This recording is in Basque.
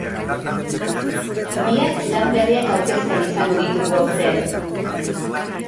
Biak lan berriak aurkezten izango ditugu aurten.